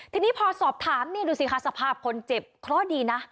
ทีนี้พอสอบถามดูสิค่ะสภาพคนเจ็บข้อดีนะ